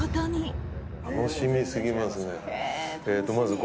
楽しみすぎますね。